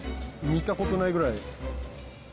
見たことないぐらい。